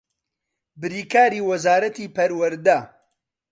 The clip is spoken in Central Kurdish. بریکاری وەزارەتی پەروەردە